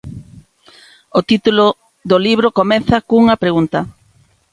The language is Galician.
O título do libro comeza cunha pregunta.